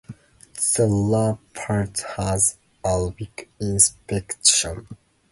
The lower part has Arabic inscriptions.